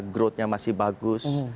growthnya masih bagus